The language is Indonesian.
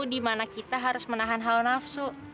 dimana kita harus menahan hawa nafsu